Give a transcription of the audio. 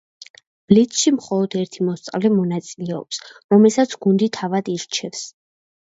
ბლიცში მხოლოდ ერთი მოსწავლე მონაწილეობს, რომელსაც გუნდი თავად ირჩევს.